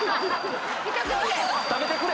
食べてくれ！